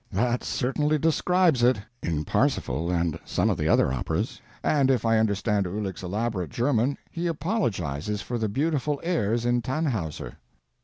That certainly describes it—in "Parsifal" and some of the other operas; and if I understand Uhlic's elaborate German he apologizes for the beautiful airs in "Tannhauser."